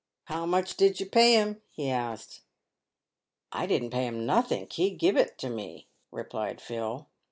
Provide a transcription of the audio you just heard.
" How much did you pay him ?" he asked. " I didn't pay him nothink ; he give it me," replied Phil.